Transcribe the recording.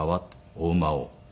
「お馬を」。